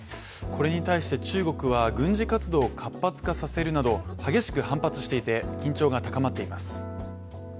これに対して中国は軍事活動を活発化させるなど激しく反発していて、緊張が高まっています。